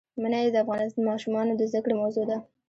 منی د افغان ماشومانو د زده کړې موضوع ده.